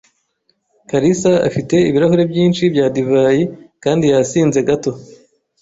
kalisa afite ibirahure byinshi bya divayi kandi yasinze gato